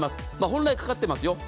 本来かかっていますよ。